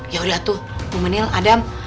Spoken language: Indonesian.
ya udah tuh bu menil adam